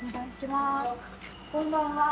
こんばんは。